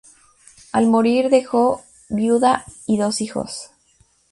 Al morir dejó viuda y dos hijos.